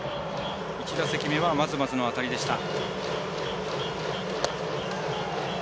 １打席目はまずまずの当たりでした。